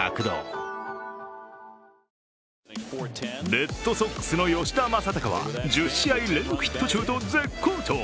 レッドソックスの吉田正尚は１０試合連続ヒット中と絶好調。